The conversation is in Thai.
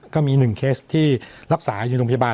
ก็มี๑เคสที่รักษาอยู่โรงพยาบาล